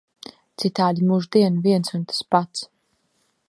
Citādi mūždien viens un tas pats.